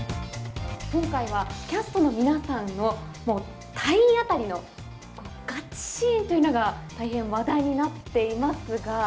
今回は、キャストの皆さんのもう体当たりのガチシーンというのが大変話題になっていますが。